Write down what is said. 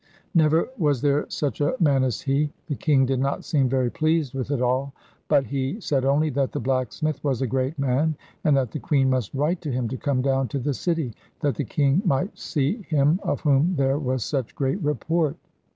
Never was there such a man as he. The king did not seem very pleased with it all, but he said only that the blacksmith was a great man, and that the queen must write to him to come down to the city, that the king might see him of whom there was such great report.